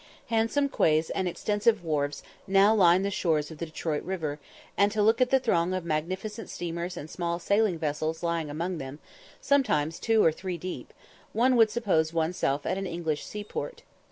Handsome quays and extensive wharfs now line the shores of the Detroit river, and to look at the throng of magnificent steamers and small sailing vessels lying along them, sometimes two or three deep, one would suppose oneself at an English seaport.